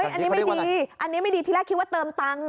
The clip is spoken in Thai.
อันนี้ไม่ดีอันนี้ไม่ดีที่แรกคิดว่าเติมตังค์